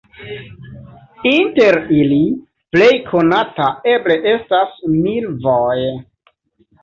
Inter ili plej konata eble estas milvoj.